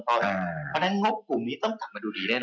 เพราะฉะนั้นงบกลุ่มนี้ต้องทำมาดูดีด้วยเนอะ